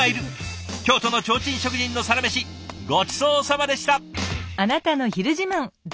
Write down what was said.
京都の提灯職人のサラメシごちそうさまでした。